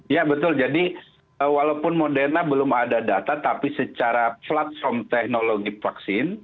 ya betul jadi walaupun moderna belum ada data tapi secara platform teknologi vaksin